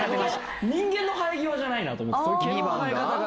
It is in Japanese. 人間の生え際じゃないなと思って毛の生え方が。